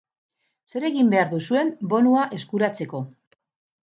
Zer egin behar duzuen bonua eskuratzeko?